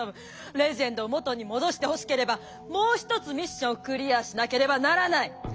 レジェンドをもとにもどしてほしければもうひとつミッションをクリアしなければならない！